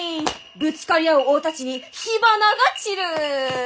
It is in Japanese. ぶつかり合う大太刀に火花が散る！